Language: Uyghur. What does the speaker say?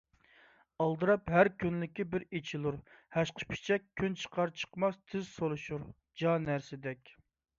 ئالدىراپ ھەركۈنلۈكى بىر ئېچىلۇر ھەشقىپىچەك، كۈن چىقار - چىقمايلا تېز سولىشۇر جا نەرسىدەك.